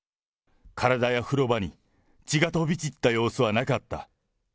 体や風呂場に、血が飛び散った様子はなかった。